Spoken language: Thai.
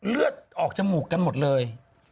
เลือดออกจมูกกันหมดเลย